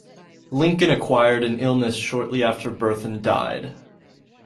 Lincoln acquired an illness shortly after birth and died.